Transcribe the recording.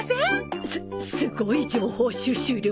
すっすごい情報収集力！